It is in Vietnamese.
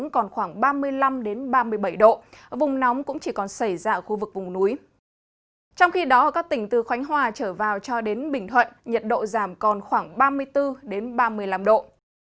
các tỉnh từ khánh hòa trở vào cho đến bình thuận nhiệt độ giảm còn khoảng ba mươi bốn ba mươi năm độ